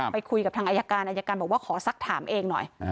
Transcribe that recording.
ไปคุยกับทางอายการอายการบอกว่าขอสักถามเองหน่อย